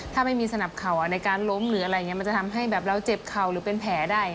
ถ้าไม่มีสนับเข่าในการล้มหรืออะไรอย่างนี้มันจะทำให้แบบเราเจ็บเข่าหรือเป็นแผลได้